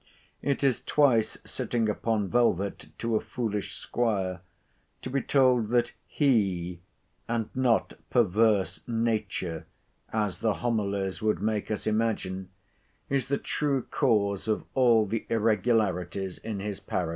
It is twice sitting upon velvet to a foolish squire to be told, that he—and not perverse nature, as the homilies would make us imagine, is the true cause of all the irregularities in his parish.